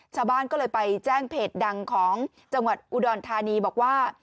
ชาวบ้านก็เลยไปแจ้งเพจดังของจังหวัดอุดรธานีบอกว่า